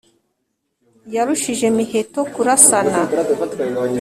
yarushije miheto kurasana,